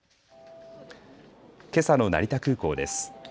けさの成田空港です。